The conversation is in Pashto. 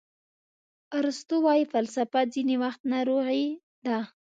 ارسطو وایي فلسفه ځینې وخت ناروغي ده.